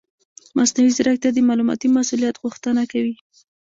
مصنوعي ځیرکتیا د معلوماتي مسؤلیت غوښتنه کوي.